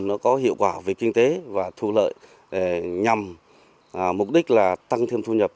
nó có hiệu quả về kinh tế và thu lợi nhằm mục đích là tăng thêm thu nhập